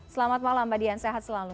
selamat malam mbak dian sehat selalu